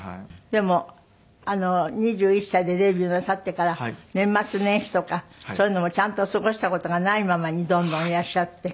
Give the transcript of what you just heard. でも２１歳でデビューなさってから年末年始とかそういうのもちゃんと過ごした事がないままにどんどんいらっしゃって。